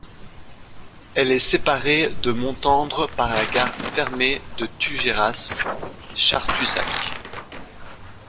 Elle est séparée de Montendre par la gare fermée de Tugéras - Chartuzac.